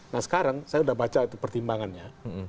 nah sekarang saya sudah baca itu pertimbangannya